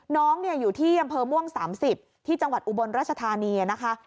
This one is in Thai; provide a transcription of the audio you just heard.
น้องอยู่ที่อำเภอม่วง๓๐ที่จังหวัดอุบลราชธานีนะคะ